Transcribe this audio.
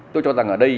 tôi cho rằng ở đây